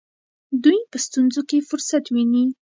دوی په ستونزو کې فرصت ویني.